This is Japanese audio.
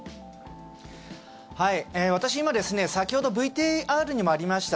私、今先ほどＶＴＲにもありました